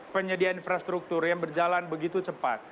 penyediaan infrastruktur yang berjalan begitu cepat